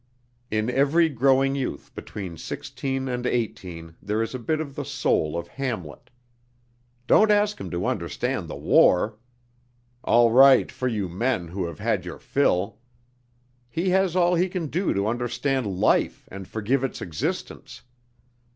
In every growing youth between sixteen and eighteen there is a bit of the soul of Hamlet. Don't ask him to understand the war! (All right for you men, who have had your fill!) He has all he can do to understand life and forgive its existence.